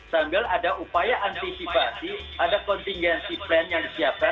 sambil ada upaya antisipasi ada kontingensi plan yang disiapkan dalam membuat sebuah strategi ini